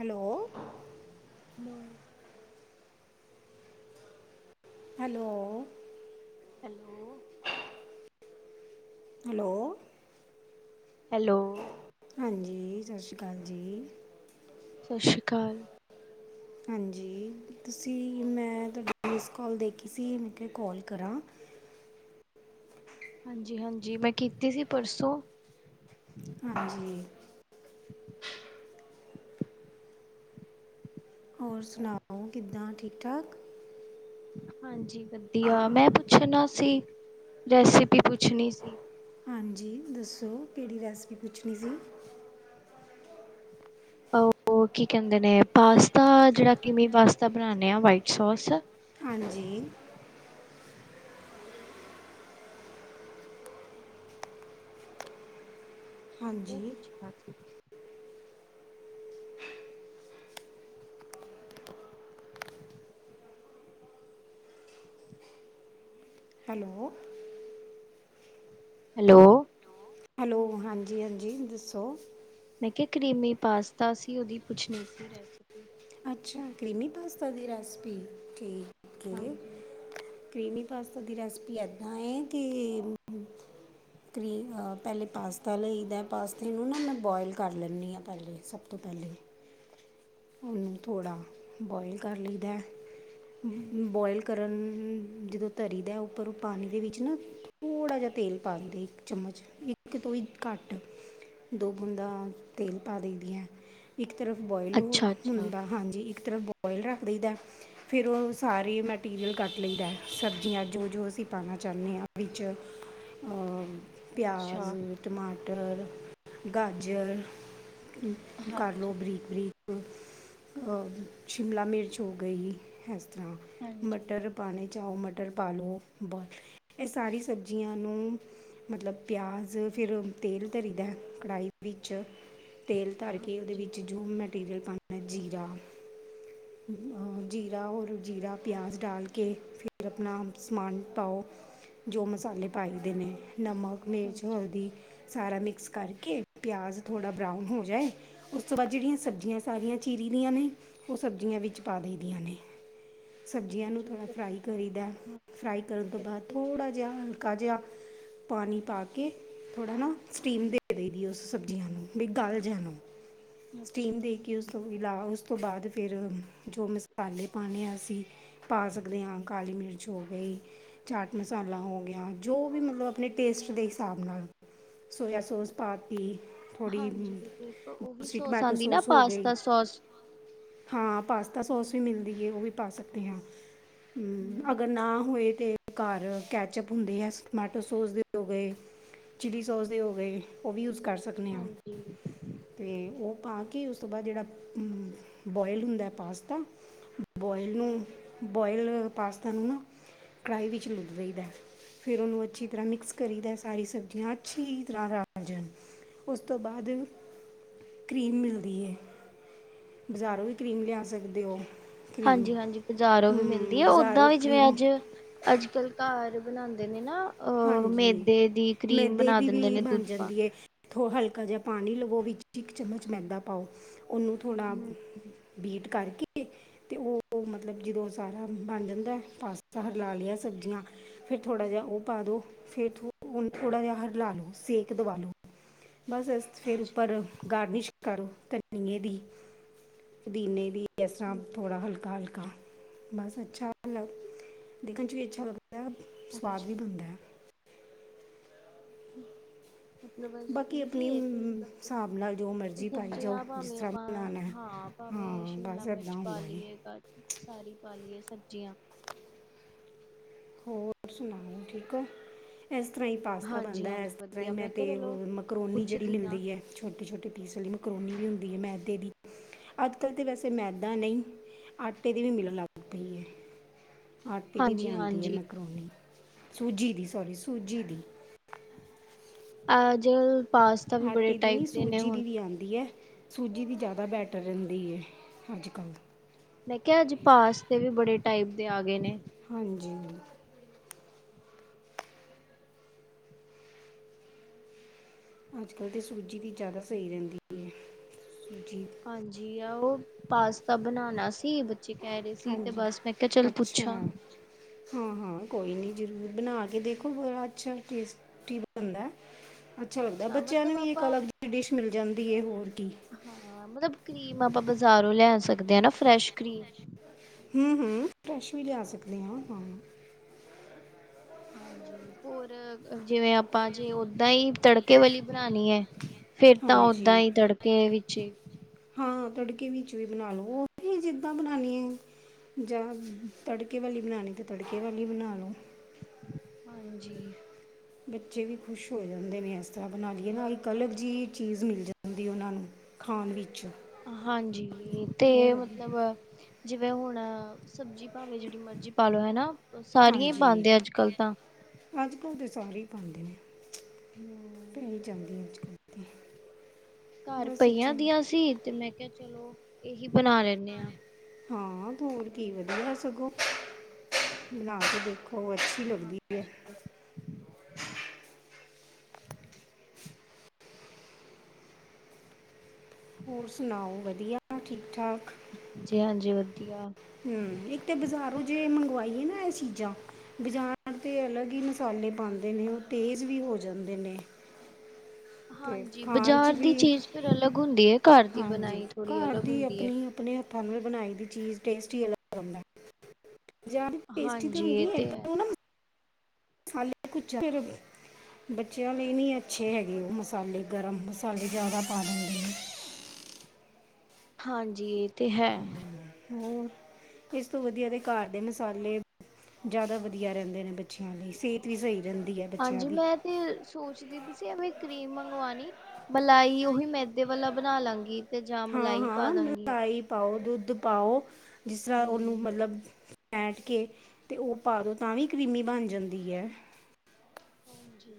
Hello ਨੌ hello hello hello hello ਹਾਂਜੀ ਸਤਿ ਸ਼੍ਰੀ ਅਕਾਲ ਜੀ ਸਤਿ ਸ਼੍ਰੀ ਅਕਾਲ ਹਾਂਜੀ ਤੁਸੀਂ ਮੈਂ ਤੁਹਾਡਾ ਮਿਸ ਕਾਲ ਦੇਖੀ ਸੀ ਮ ਕੋਲ ਕਰਾਂ ਹਾਂਜੀ ਹਾਂਜੀ ਮੈਂ ਕੀਤੀ ਸੀ ਪਰਸੋਂ ਹਾਂਜੀ ਹੋਰ ਸੁਣਾਓ ਕਿੱਦਾਂ ਠੀਕ ਠਾਕ ਹਾਂਜੀ ਵਧੀਆ ਮੈਂ ਪੁੱਛਣਾ ਸੀ ਰੈਸਿਪੀ ਪੁੱਛਣੀ ਸੀ। ਹਾਂਜੀ ਦੱਸੋ ਕਿਹੜੀ ਰੈਸਿਪੀ ਪੁੱਛਣੀ ਸੀ ਉਹ ਕੀ ਕਹਿੰਦੇ ਨੇ ਪਾਸਤਾ ਜਿਹੜਾ ਕਿ ਮੀ ਪਾਸਤਾ ਬਣਾਂਦੇ ਆ ਵਾਈਟ ਸੋਸ ਹਾਂਜੀ ਉਹ ਹਾਂਜੀ ਪੁੱਛਣਾ ਸੀ। ਹੈਲੋ ਹੈਲੋ ਹੈਲੋ ਹਾਂਜੀ -ਹਾਂਜੀ ਦੱਸੋ? ਮੈਂ ਕਰੀਮੀ ਪਾਸਤਾ ਸੀ ਉਹਦੀ ਪੁੱਛਣੀ ਸੀ ਰੈਸਪੀ ਅੱਛਾ ਕਰੀਮੀ ਪਾਸਤਾ ਦੀ ਰੈਸਪੀ ਠੀਕ ਹੈ ਹਾਂਜੀ ਕਰੀਮੀ ਪਾਸਤਾ ਦੀ ਰੈਸਪੀ ਇੱਦਾਂ ਹੈ ਕਿ ਕਰੀ ਪਹਿਲੇ ਪਾਸਤਾ ਲਈਦਾ ਪਾਸਤੇ ਨੂੰ ਨਾ ਮੈਂ ਬੋਆਇਲ ਕਰ ਲੈਂਦੀ ਹਾਂ ਪਹਿਲੇ ਸਭ ਤੋਂ ਪਹਿਲੇ ਉਹਨੂੰ ਥੋੜ੍ਹਾ ਬੋਆਇਲ ਕਰ ਲਈਦਾ ਹਾਂਜੀ ਬੋਆਇਲ ਕਰਨ ਜਦੋਂ ਧਰੀ ਦਾ ਉੱਪਰ ਉਹ ਪਾਣੀ ਦੇ ਵਿੱਚ ਨਾ ਥੋੜ੍ਹਾ ਜਿਹਾ ਤੇਲ ਪਾ ਦਿੰਦੇ ਇੱਕ ਚਮਚ ਇੱਕ ਤੋਂ ਹੀ ਘੱਟ ਦੋ ਗੁੰਦ ਤੇਲ ਪਾ ਦੇ ਦਈ ਆ ਇੱਕ ਸਿਰਫ ਬੋਆਇਲੂ ਅੱਛਾ ਅੱਛਾ ਹੁੰਦਾ ਹਾਂਜੀ ਇੱਕ ਤਰ੍ਹਾਂ ਬੋਆਇਲ ਰੱਖ ਦਈ ਦਾ ਫਿਰ ਉਹ ਸਾਰੇ ਮਟੀਰੀਅਲ ਕੱਟ ਲਈਦਾ ਸਬਜ਼ੀਆਂ ਜੋ ਜੋ ਅਸੀਂ ਪਾਉਣਾ ਚਾਹੁੰਦੇ ਹਾਂ [inaudible] ਉਹ ਵਿੱਚ ਪਿਆਜ਼ ਅੱਛਾ ਟਮਾਟ ਬਟਰ ਗਾਜਰ ਕਰਲਓ ਹਾਂਜੀ ਬਰੀਕ -ਬਰੀਕ ਸ਼ਿਮਲਾ ਮਿਰਚ ਹੋ ਗਈ ਹੈ। ਹਾਂਜੀ ਮਟਰ ਪਾਣੇ ਚਾਉ ਮਟਰ ਮਟਰ ਪਾ ਲਓ ਬੋਲ ਇਹ ਸਾਰੀ ਸਬਜ਼ੀਆਂ ਨੂੰ ਮਤਲਬ ਪਿਆਜ਼ ਫਿਰ ਤੇਲ ਧਰੀ ਦਾ ਕੜਾਹੀ ਵਿੱਚ ਤੇਲ ਧਰ ਕੇ ਉਹਦੇ ਹਾਂਜੀ ਵਿੱਚ ਜੂ ਮੈ ਪਟੀਰੀਲ ਪ [unintelligible] ਜੀਰਾ ਜੀਰਾ ਹੋਰ ਜੀਰਾ ਪਿਆਜ਼ ਡਾਲ ਕੇ ਫਿਰ ਆਪਣਾ ਸਮਾਨ ਪਾਓ ਜੋ ਮਸਾਲੇ ਪਾਈ ਦੇ ਨੇ ਨਮਕ ਮਿਰਚ ਹਾਂਜੀ ਹਲਦੀ ਸਾਰਾ ਮਿਕਸ ਕਰਕੇ ਪਿਆਜ਼ ਥੋੜ੍ਹਾ ਬਰਾਊਨ ਹੋ ਜਾਏ ਉਸ ਤੋਂ ਬਾਅਦ ਜਿਹੜੀਆਂ ਸਬਜ਼ੀਆਂ ਸਾਰੀਆਂ ਚੀਰੀ ਦੀਆਂ ਨੇ ਉਸ ਸਬਜ਼ੀਆਂ ਵਿੱਚ ਪਾ ਦੇਦੀਆਂ ਨੇ ਸਬਜ਼ੀਆਂ ਨੂੰ ਅੱਛਾ ਥੋੜ੍ਹਾ ਮਤਲਬ ਫਰਾਈ ਕਰੀਦਾ ਫਰਾਈ ਕਰਨ ਤੋਂ ਬਾਅਦ ਥੋੜ੍ਹਾ ਜਿਹਾ ਹਲਕਾ ਜਿਹਾ ਪਾਣੀ ਪਾ ਕੇ ਥੋੜਾ ਨਾ ਸਟੀਮ ਦੇ ਦੇ ਦੀ ਉਸ ਸਬਜ਼ੀਆਂ ਨੂੰ ਵੀ ਗਲ ਜਾਣ। ਹਾਂ ਸਟੀਮ ਅੱਛਾ ਦੇ ਕੇ ਉਸ ਤੋਂ ਹਿਲਾ ਉਸ ਤੋਂ ਬਾਅਦ ਫਿਰ ਜੋ ਮਸਾਲੇ ਪਾਣੇ ਅ [inaudible] ਪਾ ਸਕਦੇ ਹਾਂ ਕਾਲੀ ਮਿਰਚ ਕੁਛ ਹੋ ਗਈ ਚਾਟ ਮਸਾਲਾ ਹੋ ਗਿਆ ਜੋ ਵੀ ਮਤਲਬ ਆਪਣੇ ਟੇਸਟ ਦੇ ਹਿਸਾਬ ਨਾਲ ਸੋਇਆ ਸੋਸ ਪਾਤੀ ਥੋੜੀ ਹਾਂਜੀ ਵੀ ਦੂਸਰੀ ਸੋਸ ਟਮਾਟੋ ਆਉਂਦੀ ਨਾ ਸੌਸ ਹੋ ਗਈ ਪਾਸਤਾ ਸੋਸ ਤਾਂ ਸੋਸ ਵੀ ਮਿਲਦੀ ਹੈ ਉਹ ਵੀ ਪਾ ਸਕਦੇ ਹਾਂ ਹਮ ਅਗਰ ਨਾ ਹੋਏ ਅਤੇ ਘਰ ਕੈਚਅਪ ਹੁੰਦੇ ਹੈ ਟਮਾਟੋ ਸੋਸ ਦੇ ਹੋ ਗਏ ਚਿੱਲੀ ਸੋਸ ਦੇ ਹੋ ਗਏ ਉਹ ਵੀ ਯੂਜ ਕਰ ਸਕਦੇ ਹਾਂ ਹਾਂਜੀ ਤੇ ਉਹ ਭਾ ਕਿ ਉਸ ਤੋਂ ਬਾਅਦ ਜਹੜਾ ਬੋਆਇਲ ਹੁੰਦਾ ਪਾਸਤਾ ਬੋਇਲ ਨੂੰ ਬੋਇਲ ਪਾਸਤਾ ਨੂੰ ਨਾ ਕੜਾਹੀ ਵਿੱਚ ਲੁਦਈ ਦਾ ਫਿਰ ਉਹਨੂੰ ਅੱਛੀ ਤਰ੍ਹਾਂ ਮਿਕਸ ਕਰੀ ਦਾ ਸਾਰੀ ਸਬਜ਼ੀਆਂ ਅੱਛੀ ਤਰ੍ਹਾਂ ਰਾਜਣ ਉਸ ਤੋਂ ਬਾਅਦ ਕਰੀਮ ਮਿਲਦੀ ਹੈ ਬਜ਼ਾਰੋਂ ਵੀ ਕਰੀਮ ਲਿਆ ਸਕਦੇ ਹੋ ਕਰੀਮ ਹਾਂਜੀ ਹਾਂਜੀ ਬਜ਼ਾਰੋਂ ਵੀ ਮਿਲਦੀ ਹੈ ਉਓਦਾਂ ਬਾਜ਼ਾਰੋਂ ਵੀ ਜਿਵੇਂ ਕਰੀਮ ਅੱਜ ਅੱਜ ਕੱਲ੍ ਘਰ ਬਣਾਉਂਦੇ ਨੇ ਨਾ ਅਹ ਹਾਂਜੀ ਮੇਦੇ ਦੀ ਕਰੀਮ ਮੈਦੇ ਬਣਾ ਦੀ ਦਿੰਦੇ ਵੀ ਨੇ ਬਣ ਦੁੱਧ ਪਾ ਜਾਂਦੀ ਹੈ। ਕੇ ਥੋ ਹਲਕਾ ਜਿਹਾ ਪਾਣੀ ਲਵੋ ਵਿੱਚ ਇੱਕ ਚਮਚ ਮੈਦਾ ਪਾਓ? ਉਹਨੂੰ ਥੋੜ੍ਹਾ ਹਮ ਬੀਟ? ਕਰਕੇ ਅਤੇ ਉਹ ਮਤਲਬ ਜਦੋਂ ਸਾਰਾ ਬਣ ਜਾਂਦਾ ਪਾਸਤਾ ਹਿਲਾ ਲਿਆ ਸਬਜ਼ੀਆਂ ਫਿਰ ਥੋੜ੍ਹਾ ਜਿਹਾ ਉਹ? ਪਾ ਦਉ ਫਿਰ ਉਹਨੂੰ ਥੋੜ੍ਹਾ ਜਿਹਾ ਹਲਾ ਲਓ ਸੇਕ ਦਵਾ ਲਓ? ਬਸ ਇਸ ਚ ਫਿਰ ਅੱਛਾ ਉੱਪਰ‌ ਗਾਰਨਿਸ਼ ਕਰੋ ਧਨੀਆਂ ਦੀ, ਪੁਦੀਨੇ ਦੀ। ਇਸ ਤਰ੍ਹਾਂ ਹਮ ਥੋੜਾ ਹਲਕਾ ਹਲਕਾ। ਕਰ ਬਸ ਅੱਛਾ ਅ ਦੇਖਣ ਚ ਵੀ ਅੱਛਾ ਲੱਗਦਾ। ਐ ਅੱਛਾ ਸਵਾਦ। ਹੂੰ। ਮਤਲਬ ਬਸ ਈਜ਼ੀ ਏ ਹਿਸਾਬ ਨਾਲ ਜੋ ਮਰਜ਼ੀ ਪਾਈ ਜਾਓ ਸਬਜ਼ੀਆਂ ਜਿਸ ਭਾਵੇਂ ਤਰ੍ਹਾਂ ਆਪਾਂ ਬਣਾਉਣਾ ਹੈ। ਹਾਂ ਭਾਵੇਂ ਹਾਂ ਬਸ ਸ਼ਿਮਲਾ ਇਦਾਂ ਮਿਰਚ ਪਾ ਹੁੰਦਾ ਹੈ ਲਈਏ, ਗਾਜਰ ਸਾਰੀ ਪਾ ਲਈਏ। ਸਬਜ਼ੀਆਂ। ਹੋਰ ਸੁਣਾਓ ਠੀਕ ਹੋ? ਇਸ ਤਰ੍ਹਾਂ ਹੀ ਪਾਸਤਾ ਹਾਂਜੀ ਬਣਦਾ ਹਾਂਜੀ ਇਸ ਤਰ੍ਹਾਂ ਹੀ ਵਧੀਆ ਮੈਂ ਕਿਹਾ ਚਲੋ ਤਾਂ ਮਕਰੋਨੀ ਜਿਹੜੀ ਪੁੱਛਦੀ ਹਾਂ ਮਿਲਦੀ ਹੈ ਛੋਟੀ ਛੋਟੀ। ਇਸ ਲਈ ਮਕਰੋਨੀ ਵੀ ਹੁੰਦੀ ਹੈ ਮੈਦੇ ਦੀ ਅੱਜ ਕੱਲ੍ਹ ਤੇ ਵੈਸੇ ਮੈਦਾ ਨਹੀਂ ਆਟੇ ਦੀ ਵੀ ਮਿਲਣ ਲੱਗ ਪਈ ਹੈ? ਆਟੇ ਦੀ ਵੀ ਹਾਂਜੀ ਆਉਦੀ ਹੈ? ਦੀ ਹੈ ਇਹ ਹਾਂਜੀ ਮੈਕਰੋਨੀ। ਸੂਜੀ ਦੀ ਸੋਰੀ ਸੂਜੀ ਦੀ? ਆਜੋ। ਆਟੇ ਦੀ ਨੀ ਸੂਜੀ ਦੀ ਵੀ ਆਉਂਦੀ ਹੈ? ਸੂਜੀ ਦੀ ਜ਼ਿਆਦਾ ਬੈਟਰ ਰਹਿੰਦੀ ਹੈ ਅੱਜ ਕੱਲ। ਮੈਂ ਕਿਹਾ ਅੱਜ ਪਾਸਤੇ ਵੀ ਬੜੇ ਟਾਈਪ ਦੇ ਆ ਗਏ ਨੇ? ਹਾਂਜੀ। ਅੱਜ ਕੱਲ੍ਹ ਤੇ ਸੂਜੀ ਦੀ ਜ਼ਿਆਦਾ ਸਹੀ ਰਹਿੰਦੀ ਹੈ? ਸੂਜੀ ਹਾਂਜੀ ਆ ਉਹ ਪਾਸਤਾ ਬਣਾਣਾ ਸੀ? ਉਂਝ ਕਹਿ ਰਹੇ ਸੀ ਤੇ ਹਾਂਜੀ ਬਸ ਮੈਂ ਕਿਹਾ ਚੱਲ ਅੱਛਾ ਪੁੱਛਾਂ? ਹਾਂ ਹਾਂ ਕੋਈ ਨਹੀਂ ਜ਼ਰੂਰ ਬਣਾ ਕੇ ਦੇਖੋ ਬੜਾ ਅੱਛਾ ਟੇਸਟੀ ਬਣਦਾ ਹੈ। ਅੱਛਾ, ਲੱਗਦਾ ਬੱਚਿਆਂ ਨੂੰ ਮਤਲਬ ਵੀ ਇੱਕ ਆਪਾਂ ਅਲੱਗ ਦੀ ਡਿਸ਼ ਮਿਲ ਜਾਂਦੀ ਹੈ ਹੋਰ ਕੀ। ਹਾਂ ਮਤਲਬ ਕਰੀਮ ਆਪਾਂ ਬਾਜ਼ਾਰੋਂ ਲੈ ਸਕਦੇ ਹਾਂ ਨਾ ਫਰੈਸ਼ ਕਰੀਮ? ਹੂੰ-ਹੂੰ ਫਰੈਸ਼ ਵੀ ਲਿਆ ਸਕਦੇ ਹਾਂ ਹਾਂ? ਹਾਂਜੀ ਹੋਰ ਜਿਵੇਂ ਆਪਾਂ ਜੇ ਓਦਾਂ ਹੀ ਤੜਕੇ ਵਾਲੀ ਬਣਾਣੀ ਹੈ? ਫੇਰ ਤਾਂ ਓਦਾਂ ਹਾਂਜੀ ਹੀ ਤੜਕੇ? ਛੇ। ਹਾਂ ਤੜਕੇ ਵਿੱਚ ਵੀ ਬਣਾ ਲਓ ਉਹ ਵੀ ਜਿੱਦਾਂ ਬਣਾਣੀ ਆ ਜਾਂ ਤੜਕੇ ਵਾਲੀ ਬਣਾਣੀ ਤੇ ਤੜਕੇ ਵਾਲੀ ਬਣਾ ਲੋ। ਹਾਂਜੀ, ਬੱਚੇ ਵੀ ਖੁਸ਼ ਹੋ ਜਾਂਦੇ ਨੇ ਇਸ ਤਰ੍ਹਾਂ ਬਣਾ ਲਈਏ ਨਾ ਇੱਕ ਅਲੱਗ ਜਿਹੀ ਚੀਜ਼ ਮਿਲ ਜਾਂਦੀ ਉਹਨਾਂ ਨੂੰ ਖਾਣ ਵਿੱਚ, ਹਾਂਜੀ ਤੇ ਉਹ ਮਤਲਬ, ਜਿਵੇਂ ਹੁਣ ਸਬਜ਼ੀ ਭਾਵੇਂ ਜਿਹੜੀ ਮਰਜ਼ੀ ਪਾ ਲਓ ਹੈ ਨਾ, ਸਾਰੀਆਂ ਹੀ ਹਾਂਜੀ ਪਾਦੇ ਅੱਜ ਕੱਲ ਤਾਂ, ਅੱਜ ਕੱਲ੍ਹ ਤੇ ਸਾਰੇ ਹੀ ਪਾਦੇ ਐ। ਹਮ ਪੈ ਹੀ ਜਾਂਦੀ ਐ ਅੱਜ ਕੱਲ ਤੇ, [unintelligible] ਘਰ ਬਸ ਅੱਛਾ ਪਈਆਂ ਦੀਆਂ ਸੀ ਤੇ ਮੈਂ ਕਿਹਾ, ਚਲੋ ਇਹੀ ਬਣਾ ਲੈਂਨੇ ਹਾਂ। ਹਾਂ ਹੋਰ ਕੀ ਵਧੀਆ ਸਗੋਂ। ਬਣਾ ਕੇ ਦੇਖੋ ਅੱਛੀ ਹਾਂ ਲੱਗਦੀ ਹੈ। ਹੋਰ ਸੁਣਾਓ ਵਧੀਆ ਠੀਕ-ਠਾਕ? ਜੀ ਹਾਂਜੀ ਵਧੀਆ ਹੂੰ, ਇੱਕ ਤੇ ਬਾਜ਼ਾਰੋਂ ਜੇ ਮੰਗਵਾਈ, ਨਾ ਇਹ ਚੀਜ਼ਾਂ ਬਜ਼ਾਰ ਤੇ ਅਲੱਗ ਹੀ ਮਸਾਲੇ ਪਾਦੇ ਨੇ ਉਹ ਤੇਜ਼ ਵੀ ਹੋ ਜਾਂਦੇ ਨੇ, ਤੇ ਹਾਂਜੀ ਖਾਣ 'ਚ ਬਜ਼ਾਰ ਦੀ ਵੀ ਚੀਜ਼ ਫਿਰ ਅਲੱਗ ਹੁੰਦੀ ਹੈ, ਘਰ ਦੀ ਹਾਂਜੀ ਬਣਾਈ ਥੋੜ੍ਹੀ ਅਲੱਗ ਹੁੰਦੀ ਹੈ। ਘਰ ਵਿਚ ਬਣਾਈ ਦੀ ਚੀਜ਼ ਟੇਸਟ ਹੀ ਅਲੱਗ ਹੁੰਦਾ। ਬਜਾਰ ਦੀ ਟੇਸਟੀ ਤੇ ਹਾਂਜੀ ਹੁੰਦੀ ਇਹ ਏ ਪਰ ਹੈ ਉਹ ਨਾ ਮਸ ਮਸਾਲੇ ਕੁਛ ਜਿਆਦਾ [unintelligible] ਬੱਚਿਆਂ ਲਈ ਨੀ ਅੱਛੇ ਹੈਗੇ ਉਹ ਮਸਾਲੇ ਗਰਮ ਮਸਾਲੇ ਜ਼ਿਆਦਾ ਪਾ ਦਿੰਦੇ। ਹਾਂਜੀ, ਤੇ ਹੈ ਹੋਰ, ਇਸ ਤੋਂ ਵਧੀਆ ਦੇ ਘਰ ਦੇ ਮਸਾਲੇ ਜ਼ਿਆਦਾ ਵਧੀਆ ਰਹਿੰਦੇ ਨੇ ਬੱਚਿਆਂ ਲਈ ਸਿਹਤ ਵੀ ਸਹੀ ਰਹਿੰਦੀ। ਹੈ ਬੱਚਿਆਂ ਹਾਂਜੀ ਦੀ ਮੈਂ ਤੇ ਸੋਚਦੀ ਵੀ, ਐਵੇਂ ਕਰੀਮ ਮੰਗਵਾਣੀ ਮਲਾਈ ਉਹੀ ਮੈਦੇ ਵਾਲਾ ਬਣਾ ਲਾਂਗੀ। ਤੇ ਜਾਂ ਹਾਂ ਮਲਾਈ ਪਾ ਹਾਂ ਦਾਂਗੀ। ਮਲਾਈ ਪਾਓ ਦੁੱਧ ਪਾਓ ਜਿਸ ਤਰ੍ਹਾਂ ਉਹਨੂੰ ਹੂੰ। ਮਤਲਬ ਫੈਂਟ ਕੇ ਤੇ ਉਹ ਪਾ ਦੋ, ਤਾਂ ਵੀ ਕਰੀਮੀ ਬਣ ਜਾਂਦੀ ਹੈ ਹਾਂਜੀ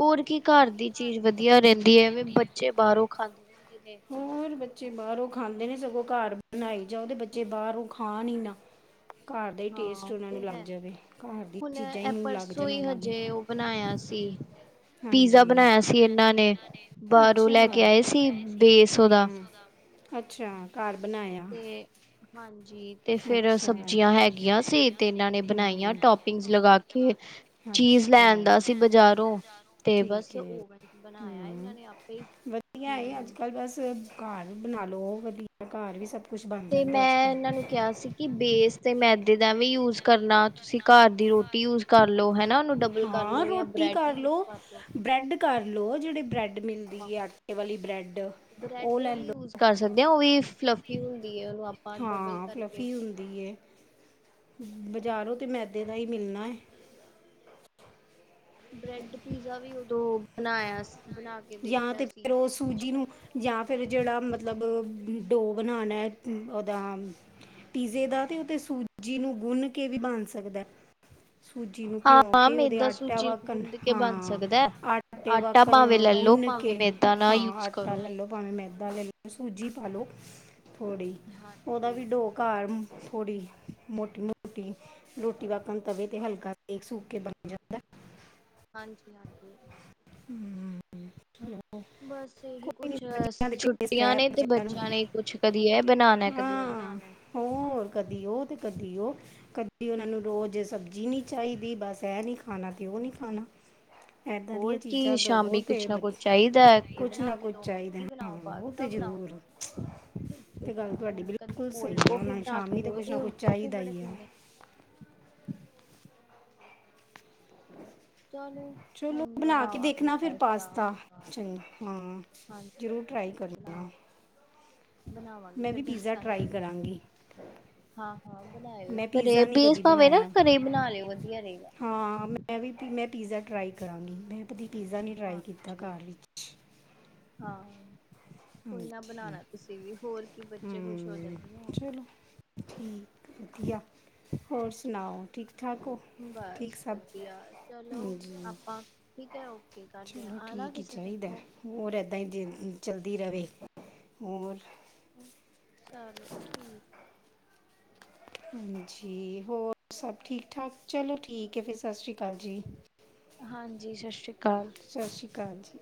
ਹੋਰ ਕੀ ਘਰ ਦੀ ਚੀਜ਼ ਵਧੀਆ ਰਹਿੰਦੀ ਹੈ ਐਵੇ ਬੱਚੇ ਬਾਹਰੋਂ ਖਾਂ ਕਿਵੇਂ? ਹੋਰ ਬੱਚੇ ਬਾਹਰੋਂ ਖਾਂਦੇ ਨੇ ਸਗੋਂ ਘਰ ਬਣਾਈ ਜਾਓ ਤੇ ਬੱਚੇ ਬਾਹਰੋਂ ਖਾਣ ਈ ਨਾ ਘਰ ਦਾ ਹੀ ਟੇਸਟ ਹਾਂ ਉਹਨਾਂ ਨੂੰ ਤੇ ਲੱਗ ਹੈ। ਜਾਵੇ ਘਰ ਦੀ ਹੁਣ ਚੀਜ਼ਾਂ ਹੀ ਇਹ ਮੂੰਹ ਲੱਗ ਪਰਸੋਂ ਜਾਣ ਹੀ ਉਹਨਾਂ ਦੇ ਹਜੇ ਉਹ ਬਣਾਇਆ ਸੀ ਪੀਜ਼ਾ ਹਾਂਜੀ ਬਣਾਇਆ ਸੀ ਇਹਨਾਂ ਨੇ, ਬਾਰੋਂ ਲੈ ਕੇ ਆਏ ਸੀ ਬੇਸ ਡੇਢ ਓਦਾ ਹੂੰ ਅੱਛਾ, ਘਰ ਬਣਾਇਆ ਹਾਂਜੀ ਜੀ ਤੇ ਫੇਰ ਅੱਛਾ ਸਬਜ਼ੀਆਂ ਹੈਗੀਆਂ ਸੀ ਤੇ ਇਹਨਾਂ ਨੇ ਬਣਾਈਆਂ ਹੂੰ ਟੋਪਿੰਗਸ ਲਗਾ ਕੇ, ਚੀਜ਼ ਲੈ ਅੱਛਾ ਆਂਦਾ ਸੀ ਬਜ਼ਾਰੋਂ ਤੇ ਬਸ ਠੀਕ ਹੈ ਓਵਨ ਚ ਬਣਾਇਆ ਇਹਨਾਂ ਹੂੰ ਨੇ ਆਪੇ ਈ। ਹੰ ਬਣਾਲੋ ਵਧੀਆ, ਘਰ ਵੀ ਸਬ ਤੇ ਮੈਂ ਇਹਨਾਂ ਨੂੰ ਕਿਹਾ ਸੀ ਕਿ ਬੇਸ ਤੇ ਮੈਦੇ ਦਾ ਵੀ ਯੂਜ ਕਰਨਾ, ਤੁਸੀਂ ਘਰ ਦੀ ਰੋਟੀ ਯੂਜ ਕਰ ਲੋ ਹੈਨਾ? ਹਾਂ ਰੋਟੀ ਕਰ ਲੋ, ਲੋ ਬ੍ਰੈਡ ਕਰ ਲਓ, ਜਿਹੜੇ ਬ੍ਰੈਡ ਮਿਲਦੀ ਹੈ ਆਟੇ ਵਾਲੀ ਬ੍ਰੈਡ, ਬ੍ਰੈਡ ਉਹ ਲੈ ਵੀ ਯੂਜ ਲਓ। ਕਰ ਸਕਦੇ ਆ ਉਹ ਵੀ ਫਲੱਫੀ [unintelligible] ਆਪਾਂ ਡਬਲ ਹਾਂ, ਕਰਕੇ ਫਲੱਫੀ ਹੁੰਦੀ ਹੈ। ਬਜ਼ਾਰੋਂ ਤੇ ਮੈਦੇ ਦਾ ਹੀ ਮਿਲਣਾ ਆ ਬ੍ਰੈਡ ਪੀਜ਼ਾ ਵੀ ਉਦੋਂ ਬਣਾਇਆ ਸੀ। ਬਣਾ ਕੇ ਯਾਂ ਦੇਖਿਆ ਤੇ ਫਿਰ ਉਹ ਸੂਜੀ ਨੂੰ, ਯਾਂ ਫਿਰ ਜਿਹੜਾ [unintelligible] ਮਤਲਬ ਡੋ ਬਣਾਉਣਾ ਉਹਦਾ ਪੀਜ਼ੇ ਦਾ, ਤੇ ਉਹ ਤੇ ਸੂਜੀ ਨੂੰ ਗੁੰਨ ਕੇ ਵੀ ਬਣ ਸਕਦੈ। ਸੂਜੀ ਨੂੰ ਭਿਉਂ ਹਾਂ ਕੇ ਉਹਦੇ ਮੈਦਾ ਆਟਾ ਸੂਜੀ ਨੂੰ ਵਾਕਣ, ਗੁੰਦ ਕੇ ਬਣ ਹਾਂ ਸਕਦਾ ਆਟੇ ਆਟਾ ਵਾਕਣ ਭਾਵੇਂ ਲੈ ਲੋ ਗੁੰਨ ਭਾਵੇਂ ਕੇ, ਮੈਦਾ ਨਾ ਹਾਂ ਯੂਜ ਆਟਾ ਕਰੋ। ਲ ਲਉ ਭਾਵੇਂ ਮੈ ਪਹਿਲੇ ਸੂਜੀ ਪਾਲੋ ਥੋੜ੍ਹੀ, ਉਹਦਾ ਵੀ ਹਾਂਜੀ, ਡੋ ਘਰ ਥੋੜ੍ਹੀ ਮੋਟੀ ਮੋਟੀ ਰੋਟੀ ਵਾਕਣ ਤਵੇ ਤੇ ਹਲਕਾ ਸੇ ਸੇਕ ਸੂਕ ਕੇ ਬਣ ਜਾਂਦਾ ਹਾਂਜੀ ਹਾਂਜੀ [inaudible] ਬਸ ਇਹੀ ਕੋਈ ਨਹੀਂ ਕੁਛ, ਬੱਚਿਆਂ ਦੇ ਟੇਸਟ ਛੁੱਟੀਆਂ ਹੈ ਨੇ ਤੇ ਨੂੰ ਬੱਚਿਆਂ ਨੇ ਕੁਛ ਕਦੀ ਇਹ ਬਨਾਨੈ ਕਦੀ ਉਹ ਹਾਂ ਬਨਾਨੈ। ਹੋਰ ਕਦੀ ਉਹ ਤੇ ਕਦੀ ਉਹ ਕਦੀ ਉਹਨਾਂ ਨੂੰ ਰੋਜ਼ ਸਬਜ਼ੀ ਨਹੀਂ ਚਾਹੀਦੀ, ਬਸ ਇਹ ਨੀ ਖਾਣਾ ਤੇ ਉਹ ਨਹੀਂ ਖਾਣਾ। ਇੱਦਾਂ ਦੀਆਂ ਹੋਰ ਕੀ ਚੀਜ਼ਾਂ ਦਵੋ ਸ਼ਾਮੀ ਤੇ ਕੁਛ ਨਾ ਬੱਚ ਕੁਛ ਚਾਹੀਦਾ ਇਹ ਕੁਛ ਬਣਾ ਨਾ ਕੇ ਕੁਛ ਦੋ, ਚਾਹੀਦਾ ਮੈਗੀ ਹਾਂ ਬਣਾਓ, ਉਹ ਪਾਸਤਾ ਤੇ ਬਣਾਓ ਜ਼ਰੂਰ ਤੇ ਗੱਲ ਤੁਹਾਡੀ ਹੁਣ ਕਦੀ ਬਿਲਕੁਲ ਕੋਲਡ ਸਹੀ ਹੈ ਕੋਫੀ ਉਹਨਾਂ ਬਣਾ ਕੇ ਸ਼ਾਮੀ ਤਾਂ ਦੋ ਕੁਛ ਨਾ ਇਹ ਕੁਛ ਕੋਫੀ ਚਾਹੀਦਾ ਬੜੇ ਹੀ ਹੈ ਪੀਂਦੇ ਚਲੌ ਚਲੋ ਹੁਣ ਬਣਾ ਕੇ ਬਣਾਵਾਂਗੀ ਦੇਖਣਾ ਫਿਰ ਪਸਤਾ। ਪਾਸਤਾ ਚੰਗਾ ਹਾਂ ਜ਼ਰੂਰ ਟਰਾਈ ਹਾਂਜੀ ਬਣਾ ਕਰਨਾ ਬਣਾਵਾਂਗੀ ਮੈਂ ਵੀ ਫਿਰ ਪੀਜ਼ਾ ਦੱਸਾਂਗੀ। ਟਰਾਈ ਕਰਾਂਗੀ ਹਾਂ-ਹਾਂ ਬਣਾਇਓ ਮੈਂ ਘਰੇ ਪੀਜ਼ਾ ਨਹੀਂ ਬੀਂਸ ਕਦੀ ਭਾਵੇ ਨਾ ਬਣਾਇਆ ਘਰੇ ਬਣਾ ਲਿਓ ਵਧੀਆ ਰਹੇਗਾ। ਅਤੇ ਮੈਂ ਪੀਜ਼ਾ ਟਰਾਈ ਕਰਾਂਗੀ ਮੈਂ। ਕਦੀ ਪੀਜ਼ਾ ਨਹੀਂ ਟਰਾਈ ਕੀਤਾ ਹਾਂਜੀ ਘਰ ਵਿੱਚ ਹਾਂ ਕੋਈ ਹਾਂਜੀ ਨਾ ਬਣਾਣਾ ਤੁਸੀਂ ਵੀ, ਹੋਰ ਕੀ ਬੱਚੇ ਖ਼ੁਸ਼ ਹੋ ਹਮ ਜਾਂਦੇ ਨੇ ਹੋਰ ਚਲੋ ਠੀਕ ਵਧੀਆ ਹੋਰ ਸੁਣਾਓ, ਠੀਕ ਠੀਕ ਠਾਕ ਹੋ, ਠੀਕ ਬਸ ਸਭ? ਵਧੀਆ ਚਲੋ ਹਾਂਜੀ, ਆਪਾਂ ਠੀਕ ਹੈ ਓਕੇ ਕਰਦੇ ਹਾਂ ਚਲੋ ਆਣਾ ਠੀਕ ਈ ਕਿਸੇ ਦਿਨ ਚਾਹੀਦਾ। ਓਕੇ ਹੋਰ ਇੱਦਾਂ ਹੀ ਦਿਲ ਦੀ [unintelligible] ਚਲੋ ਠੀਕ ਹਾਂਜੀ ਹੋਰ ਸਭ ਠੀਕ ਠਾਕ ਚਲੋ ਠੀਕ ਹੈ ਫਿਰ ਸਤਿ ਸ਼੍ਰੀ ਅਕਾਲ ਜੀ ਹਾਂਜੀ ਸਤਿ ਸ਼੍ਰੀ ਅਕਾਲ ਸਤਿ ਸ਼੍ਰੀ ਅਕਾਲ ਜੀ